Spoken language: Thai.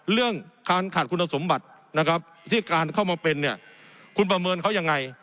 เรื่องขาดคุณสมบัติที่การเข้ามาเป็นคุณประเมินเขายังไง